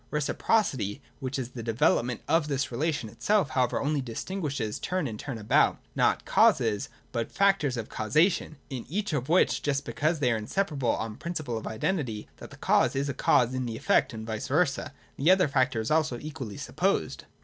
Reciprocity — which is the develop ment of this relation — itself however only distinguishes 28o THE DOCTRINE OF ESSENCE. [154 156. turn and turn about (— not causes, but) factors of causa tion, in each of which — just because they are inseparable (on the principle of the identity that the cause is cause in the effect, and vice versa) — the other factor is also equally supposed.